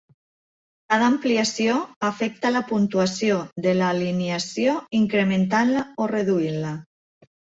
Cada ampliació afecta a la puntuació de l'alineació incrementant-la o reduint-la.